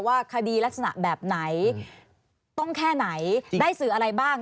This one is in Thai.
ว่าคดีลักษณะแบบไหนต้องแค่ไหนได้สื่ออะไรบ้าง